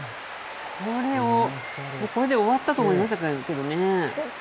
ここで終わったと思いましたけどね。